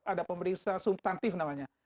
ada pemeriksa sustantif namanya